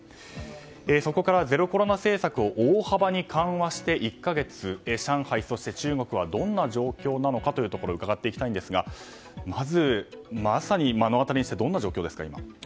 そこからゼロコロナ政策を大幅に緩和して１か月上海、そして中国はどんな状況なのかを伺っていきたいんですがまさに、まずは目の当たりにして今、どんな状況ですか？